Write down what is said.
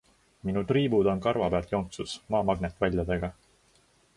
Minu triibud on karvapealt jonksus Maa magnetväljadega.